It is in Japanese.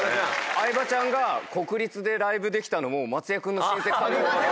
相葉ちゃんが国立でライブできたのも松也君の親戚さんのおかげ。